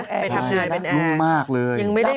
กำลังล่วงมากเลย